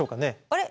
あれ？